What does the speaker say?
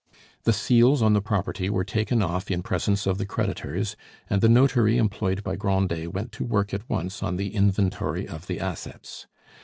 The seals on the property were taken off in presence of the creditors, and the notary employed by Grandet went to work at once on the inventory of the assets.